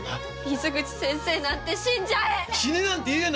水口先生なんて死んじゃえ！